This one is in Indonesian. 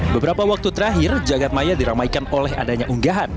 beberapa waktu terakhir jagadmaya diramaikan oleh adanya unggahan